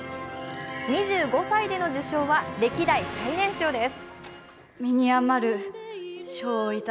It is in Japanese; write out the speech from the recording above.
２５歳での受賞は歴代最年少です。